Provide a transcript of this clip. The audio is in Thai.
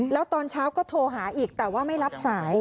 แล้วตอนเช้าก็โทรหาอีกแต่ว่าไม่รับสาย